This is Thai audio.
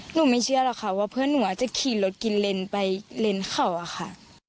ไม่เชื่อหรอกค่ะว่าเพื่อนหนูอาจจะขี่รถกินเลนไปเลนเขาอะค่ะ